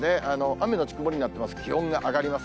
雨後曇りになってます。